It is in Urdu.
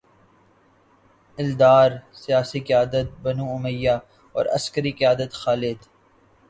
الدار، سیاسی قیادت بنو امیہ اور عسکری قیادت خالد